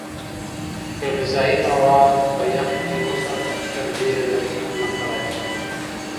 که غذايي مواد په يخ کې وساتو، تر ډېره نه خرابېږي.